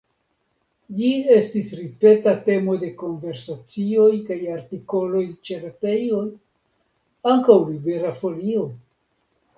Ĝi estis ripeta temo de konversacioj kaj artikoloj ĉe retejoj, ankaŭ Libera Folio.